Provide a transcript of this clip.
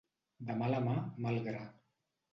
De mala mà, mal gra.